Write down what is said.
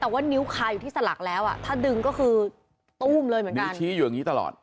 แต่ว่านิ้วคาอยู่ที่สลักแล้วอ่ะถ้าดึงก็คือตู้มเลยเหมือนกันชี้อยู่อย่างนี้ตลอด